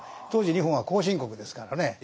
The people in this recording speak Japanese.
当時日本は後進国ですからね。